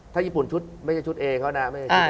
ถ้าญี่ปุ่นไม่ได้ชุดเองแล้วนะ